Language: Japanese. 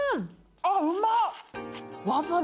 あっうまっ！